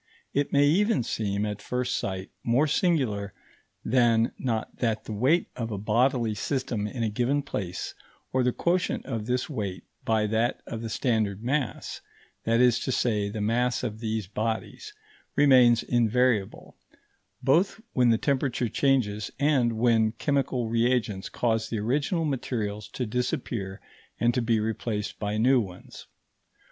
It may even seem, at first sight, more singular than not that the weight of a bodily system in a given place, or the quotient of this weight by that of the standard mass that is to say, the mass of these bodies remains invariable, both when the temperature changes and when chemical reagents cause the original materials to disappear and to be replaced by new ones.